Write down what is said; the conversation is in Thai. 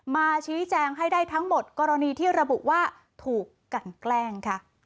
มาชี้แจงให้ได้ทั้งหมดกรณีที่ระบุว่าถูกกันแกล้งค่ะ